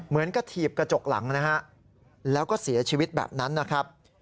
กระถีบกระจกหลังนะฮะแล้วก็เสียชีวิตแบบนั้นนะครับ